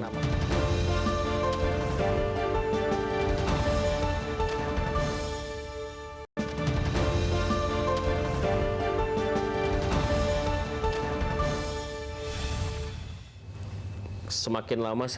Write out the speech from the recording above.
ya ini negara kita fighting war